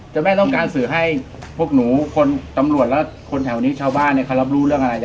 แม่ต้องการสื่อให้พวกหนูคนตำรวจและคนแถวนี้ชาวบ้านเนี่ยเขารับรู้เรื่องอะไรจ